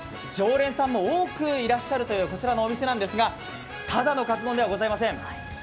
常連さんも多くいらっしゃるというこちらのお店ですがただのカツ丼ではございません。